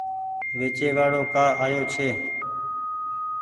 ويچي وآڙو ڪآ آيو ڇي ۔